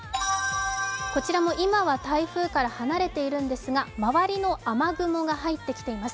こちらも今は台風から離れているんですが、周りの雨雲が入ってきています。